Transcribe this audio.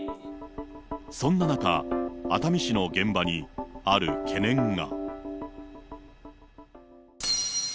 そんな中、熱海市の現場に、ある懸念が。